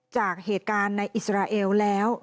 จากเหตุการณ์ในอิสราเอลแล้ว